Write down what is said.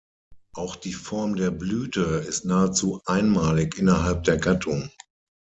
Auch die Form der Blüte ist nahezu einmalig innerhalb der Gattung.